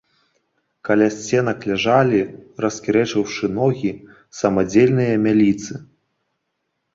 Каля сценак ляжалі, раскірэчыўшы ногі, самадзельныя мяліцы.